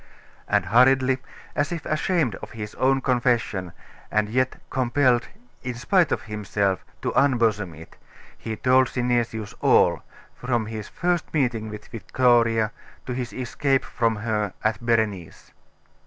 And hurriedly, as if ashamed of his own confession, and yet compelled, in spite of himself, to unbosom it, he told Synesius all, from his first meeting with Victoria to his escape from her at Berenice.